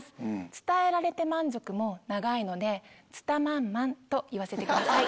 「伝えられて満足」も長いので「ツタマンマン」と言わせてください。